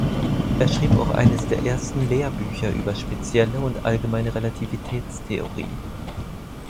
Er schrieb auch eines der ersten Lehrbücher über spezielle und allgemeine Relativitätstheorie.